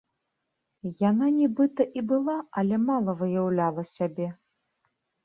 Яна нібыта і была, але мала выяўляла сябе.